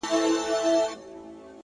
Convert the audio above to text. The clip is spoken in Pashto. o دا ستا دسرو سترگو خمار وچاته څه وركوي ـ